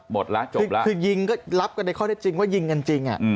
หมดแล้วจบแล้วคือยิงก็รับกันในข้อได้จริงว่ายิงกันจริง